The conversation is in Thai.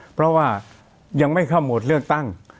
เพราะว่ายังไม่เข้าโหมดเลือกตั้ง